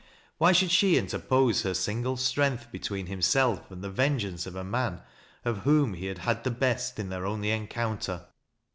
Why should she interpose her single iti'ength between himself and the vengeance of a man of whom he had had the best in their only encounter